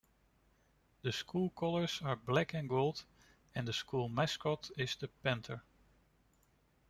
The school colors are black and gold, and the school mascot is the panther.